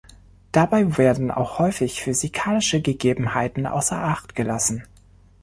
Dabei werden auch häufig physikalische Gegebenheiten außer Acht gelassen.